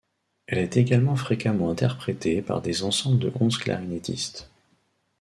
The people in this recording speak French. Elle est également fréquemment interprétée par des ensembles de onze clarinettistes.